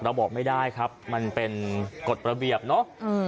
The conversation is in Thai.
บอกไม่ได้ครับมันเป็นกฎระเบียบเนอะ